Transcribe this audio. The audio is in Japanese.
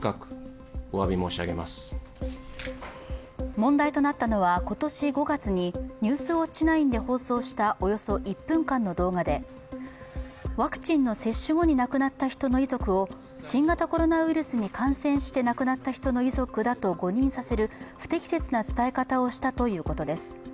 問題となったのは今年５月に「ニュースウオッチ９」で放送したおよそ１分間の動画でワクチンの接種後に亡くなった人の遺族を新型コロナウイルスに感染して亡くなった人の遺族だと誤認させる不適切な伝え方をしたということです。